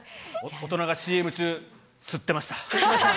大人がＣＭ中、吸ってました。